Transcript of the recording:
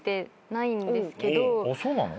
そうなの？